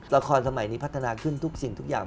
สมัยนี้พัฒนาขึ้นทุกสิ่งทุกอย่าง